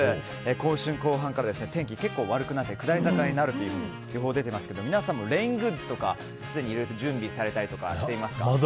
今週後半から天気が結構悪くなって下り坂になるという予報が出ていますが皆さんもレイングッズとかすでに、いろいろと準備されたりしていますか？